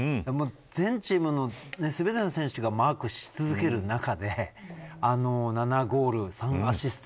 全チームの全ての選手がマークし続ける中であの７ゴール３アシスト